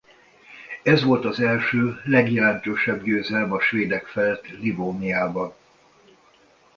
Ez volt az első legjelentősebb győzelem a svédek felett Livóniában.